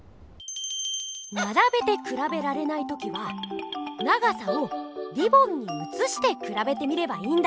ならべてくらべられない時は長さをリボンにうつしてくらべてみればいいんだ。